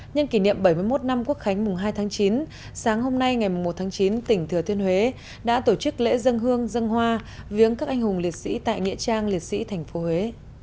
nhân kỷ niệm bảy mươi một năm quốc khánh mùng hai tháng chín sáng hôm nay ngày một tháng chín tỉnh thừa thiên huế đã tổ chức lễ dân hương dân hoa viếng các anh hùng liệt sĩ tại nghĩa trang liệt sĩ tp huế